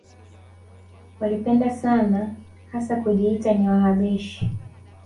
Walipenda sana hasa kujiita ni Wahabeshi